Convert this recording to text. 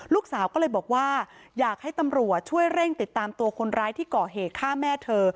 ลูกสาวก็เลยบอกว่าอยากให้ตำรวจช่วยเร่งติดตามตัวคนร้ายที่ก่อเหตุฆ่าแม่เธอ